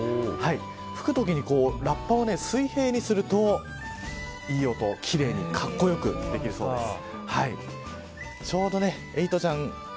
吹くときにラッパを水平にするといい音、奇麗にかっこよくできるそうです。